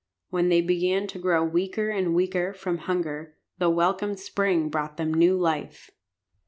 When they began to grow weaker and weaker from hunger the welcome spring brought them new life.